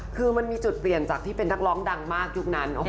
คือมันมีจุดเปลี่ยนจากที่เป็นนักร้องดังมากยุคนั้น